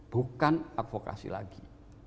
bukan advokasi lagi